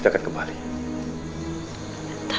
aku akan mencari cerita